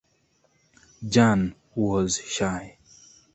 Jan "was" shy.